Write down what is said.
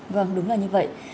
vâng đúng là như vậy